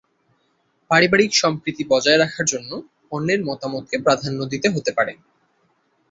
পারিবারিক সম্প্রীতি বজায় রাখার জন্য অন্যের মহামতকে প্রাধান্য দিতে হতে পারে।